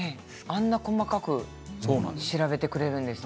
あんなに細かく調べてくれるんですね。